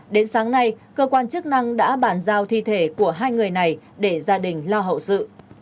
đến sáng nay cơ quan chức năng đã bàn giao thi thể của hai người này để gia đình lo hậu sự